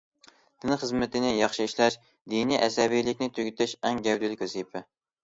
دىن خىزمىتىنى ياخشى ئىشلەش، دىنىي ئەسەبىيلىكنى تۈگىتىش ئەڭ گەۋدىلىك ۋەزىپە.